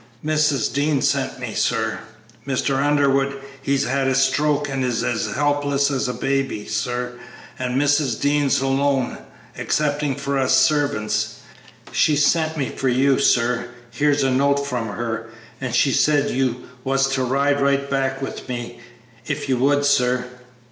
"Mrs. Dean sent me, sir. Mr. Underwood, he's had a stroke and is as helpless as a baby, sir, and Mrs. Dean's alone, excepting for us servants. She sent me for you, sir; here's a note from her, and she said you was to ride right back with me, if you would, sir."